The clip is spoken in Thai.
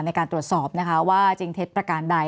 ในการตรวจสอบว่าเจงเทศประการใด